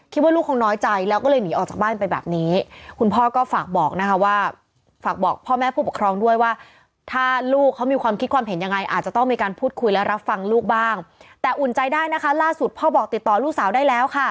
คิดว่าลูกคงน้อยใจแล้วก็เลยหนีออกจากบ้านไปแบบนี้